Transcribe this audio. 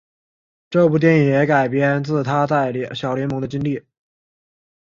这部电影也改编自他在小联盟的经历。